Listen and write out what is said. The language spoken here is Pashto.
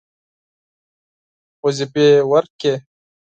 وظیفې ورکړې.